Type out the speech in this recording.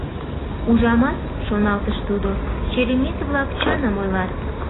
«Ужамат, — шоналтыш тудо, — черемис-влак чыным ойлат.